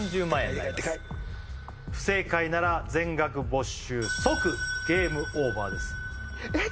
デカいデカいデカい不正解なら全額没収即ゲームオーバーですえっ